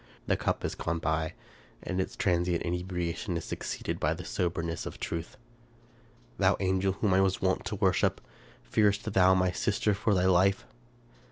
The cup is gone by, and its transient inebriation is succeeded by the soberness of truth. " Thou angel whom I was wont to worship ! fearest thou, my sister, for thy life?